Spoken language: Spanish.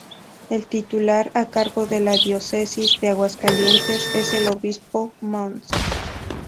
El titular a cargo de la Diócesis de Aguascalientes es el obispo: Mons.